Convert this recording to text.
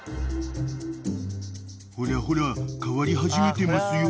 ［ほらほら変わり始めてますよ］